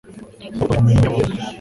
mubagobotore mu minwe y’abagome